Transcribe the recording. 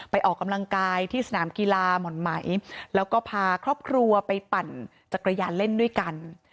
ออกกำลังกายที่สนามกีฬาหม่อนไหมแล้วก็พาครอบครัวไปปั่นจักรยานเล่นด้วยกัน